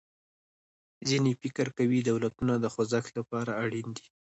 ځینې فکر کوي دولتونه د خوځښت له پاره اړین دي.